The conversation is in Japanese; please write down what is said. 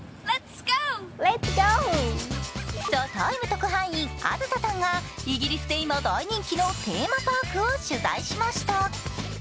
特派員あずささんがイギリスで今大人気のテーマパークを取材しました。